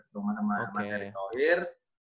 tunggu masa mas erick tohir